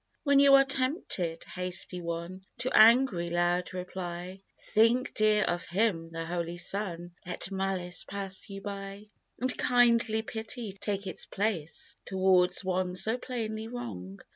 "When you are tempted, hasty one, To angry, loud reply, Think, dear, of Him, the Holy Son, Let malice pass you by, "And kindly pity take its place, Towards one so plainly wrong.